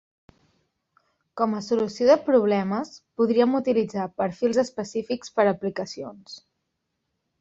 Com a solució de problemes, podríem utilitzar perfils específics per a aplicacions.